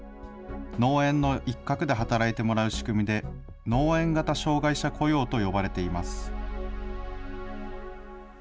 農園の一角で働いてもらう仕組みで、農園型障害者雇用と呼ばれています。